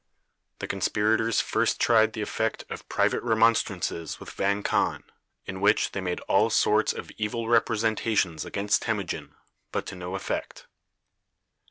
The conspirators first tried the effect of private remonstrances with Vang Khan, in which they made all sorts of evil representations against Temujin, but to no effect.